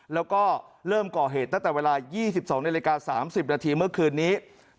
แล้วก็เริ่มก่อเหตุตั้งแต่เวลา๒๒นาฬิกา๓๐นาทีเมื่อคืนนี้